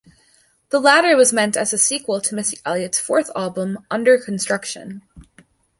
The latter was meant as a sequel to Missy Elliott's fourth album "Under Construction".